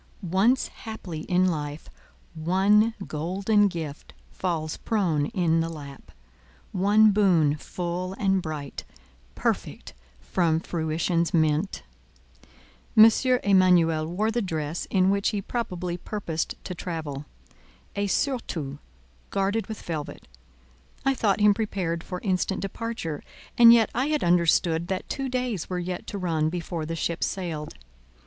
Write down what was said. Once haply in life, one golden gift falls prone in the lap—one boon full and bright, perfect from Fruition's mint. M. Emanuel wore the dress in which he probably purposed to travel—a surtout, guarded with velvet; I thought him prepared for instant departure, and yet I had understood that two days were yet to run before the ship sailed.